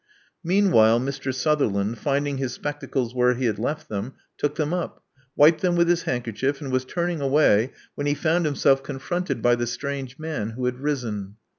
Meanwhile Mr. Sutherland, finding his spectacles where he had left them, took them up; wiped them with his handkerchief; and was turning away, when he found himself confronted by the strange man, Who had risen.